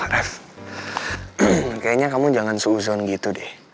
ref kayaknya kamu jangan seuson gitu deh